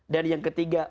dan yang ketiga